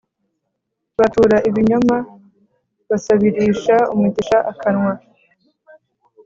Batura ibinyoma Basabirisha umugisha akanwa.